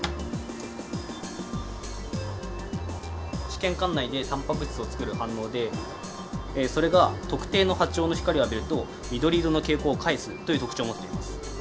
試験管内でタンパク質をつくる反応でそれが特定の波長の光を浴びると緑色の蛍光を返すという特徴を持っています。